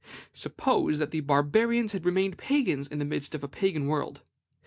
Suppose that the Barbarians had remained Pagans in the midst of a Pagan world.